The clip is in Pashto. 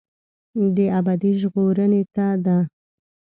دا ابدي ژغورنې ته ده.